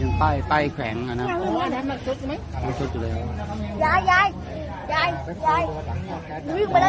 หันไปแล้วได้มาหันไปตรงกลาง